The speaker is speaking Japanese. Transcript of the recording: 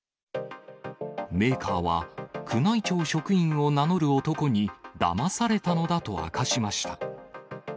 メーカーは宮内庁職員を名乗る男にだまされたのだと明かしました。